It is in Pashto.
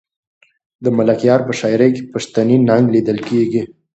د ملکیار په شاعري کې پښتني ننګ لیدل کېږي.